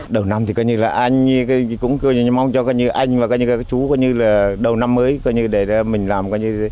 đầu năm thì anh cũng mong cho anh và các chú đầu năm mới để mình làm